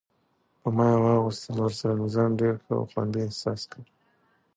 په ما یې واغوستل، ورسره مې ځان ډېر ښه او خوندي احساس کړ.